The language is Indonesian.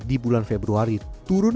di bulan februari turun